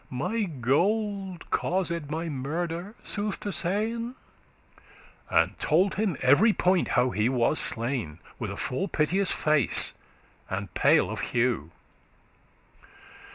*stop My gold caused my murder, sooth to sayn.' And told him every point how he was slain, With a full piteous face, and pale of hue.